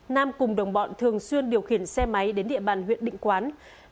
nam cùng đồng bọn thường xuyên điều khiển xe máy đến địa bàn huyện định quán